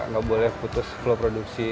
nggak boleh putus flow produksi